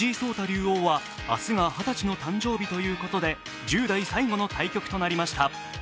竜王は明日が二十歳の誕生日ということで、１０代最後の対局となりました。